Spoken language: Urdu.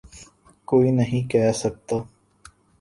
کوئی نہیں کہہ سکتا۔